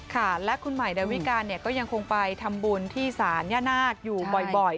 ค่ะและคุณใหม่ดาวิการก็ยังคงไปทำบุญที่ศาลย่านาคอยู่บ่อย